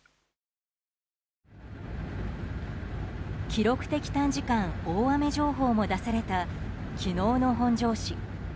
記録的短時間大雨情報も出された昨日の本庄市。